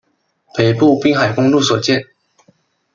北部滨海公路所见